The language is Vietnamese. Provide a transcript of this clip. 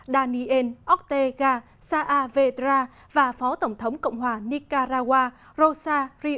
daniel ortega saavedra và phó tổng thống cộng hòa nicaragua rosa rio